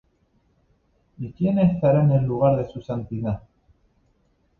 ¿Y quién estará en el lugar de su santidad?